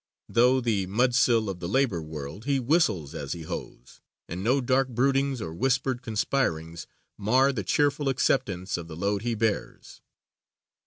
Though the mudsill of the labor world, he whistles as he hoes, and no dark broodings or whispered conspirings mar the cheerful acceptance of the load he bears.